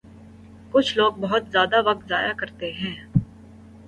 کچھ لوگ بہت زیادہ وقت ضائع کرتے ہیں